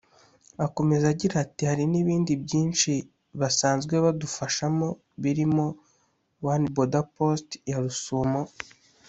Akomeza agira ati “Hari n’ibindi byinshi basanzwe badufashamo birimo ‘One Border post’ ya Rusumo